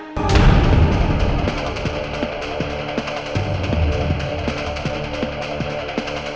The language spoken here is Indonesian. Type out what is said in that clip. dia sudah tidak peduli dengan kita